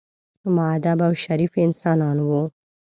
مودب او شریف انسانان وو.